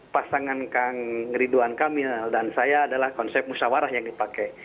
pasangan kang ridwan kamil dan saya adalah konsep musyawarah yang dipakai